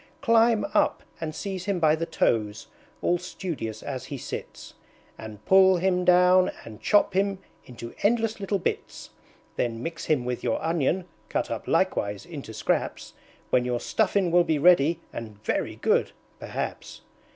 Climb up, and seize him by the toes, all studious as he sits, And pull him down, and chop him into endless little bits! Then mix him with your Onion (cut up likewise into Scraps), When your Stuffin' will be ready, and very good perhaps."